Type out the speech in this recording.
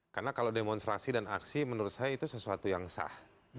karena kalau demonstrasi dan aksi menurut saya itu sesuatu yang sah